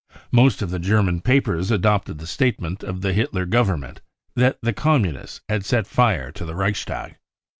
Most of the German papers adopted the statement of the Hitler Government that the Communists had set fire to the Reichstag.